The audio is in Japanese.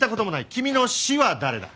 君の師は誰だ？